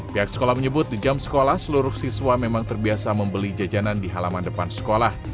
pihak sekolah menyebut di jam sekolah seluruh siswa memang terbiasa membeli jajanan di halaman depan sekolah